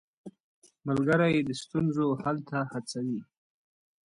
ملګری د ستونزو حل ته هڅوي.